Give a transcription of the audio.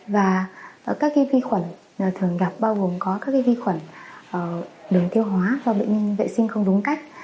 và các vi khuẩn thường gặp bao gồm có các vi khuẩn đường tiêu hóa do bệnh nhân vệ sinh không đúng cách